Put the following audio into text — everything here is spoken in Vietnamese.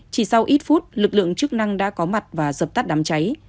chỉ sau ít phút lực lượng chức năng đã có mặt và dập tắt đám cháy